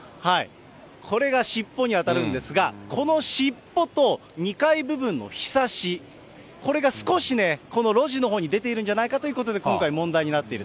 これが尻尾に当たるんですが、この尻尾と２階部分のひさし、これが少しね、この路地のほうに出ているんじゃないかということで、今回、問題